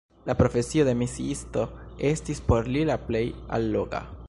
La profesio de misiisto estis por li la plej alloga.